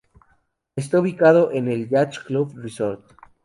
Está ubicado en el Yacht Club Resort.